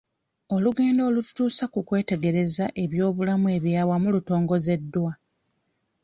Olugendo olututuusa ku kwetegereza ebyobulamu eby'awamu lutongozeddwa